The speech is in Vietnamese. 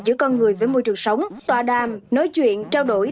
giữa con người với môi trường sống tòa đàm nói chuyện trao đổi